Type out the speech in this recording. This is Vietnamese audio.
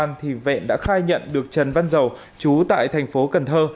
nguyễn văn vẹn đã khai nhận được trần văn dầu trú tại thành phố cần thơ